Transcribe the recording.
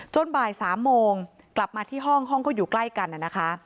บ่าย๓โมงกลับมาที่ห้องห้องก็อยู่ใกล้กันนะคะ